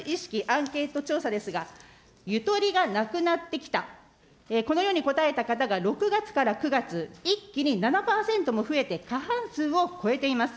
アンケート調査ですが、ゆとりがなくなってきた、このように答えた方が６月から９月、一気に７％も増えて、過半数を超えています。